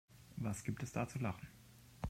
Was gibt es da zu lachen?